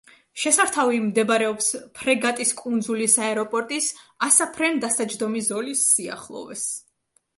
შესართავი მდებარეობს ფრეგატის კუნძულის აეროპორტის ასაფრენ-დასაჯდომი ზოლის სიახლოვეს.